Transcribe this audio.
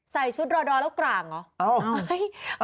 ใส่ชุดรอดอแล้วกลางเหรอ